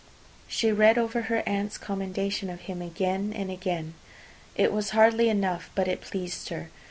She read over her aunt's commendation of him again and again. It was hardly enough; but it pleased her.